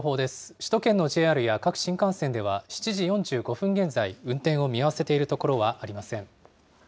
首都圏のＪＲや各新幹線では、７時４５分現在、運転を見合わせているところはありません。